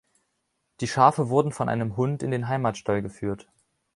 Die Schafe wurden von einem Hund in den Heimatstall geführt.